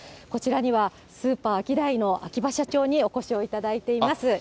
こちらにはスーパーアキダイの秋葉社長にお越しをいただいています。